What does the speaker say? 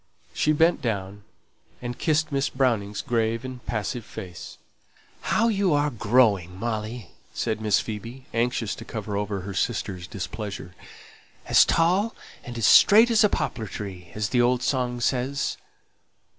She bent down and kissed Miss Browning's grave and passive face. "How you are growing, Molly!" said Miss Phoebe, anxious to cover over her sister's displeasure. "'As tall and as straight as a poplar tree!' as the old song says."